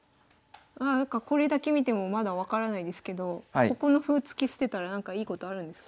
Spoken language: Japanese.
これだけ見てもまだ分からないですけどここの歩を突き捨てたらなんかいいことあるんですか？